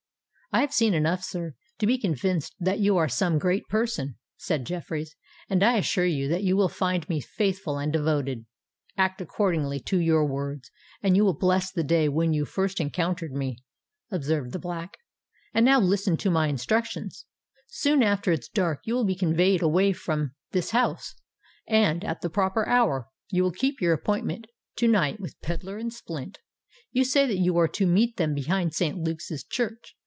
"I have seen enough, sir, to be convinced that you are some great person," said Jeffreys, "and I assure you that you will find me faithful and devoted." "Act according to your words, and you will bless the day when you first encountered me," observed the Black. "And now listen to my instructions. Soon after it is dark you will be conveyed away from this house; and, at the proper hour, you will keep your appointment to night with Pedler and Splint. You say that you are to meet them behind St. Luke's church.